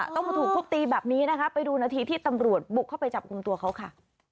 ต้องมาถูกทุบตีแบบนี้นะคะไปดูนาทีที่ตำรวจบุกเข้าไปจับกลุ่มตัวเขาค่ะ